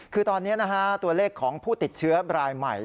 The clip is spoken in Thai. คือตอนนี้ตัวเลขของผู้ติดเชื้อรายใหม่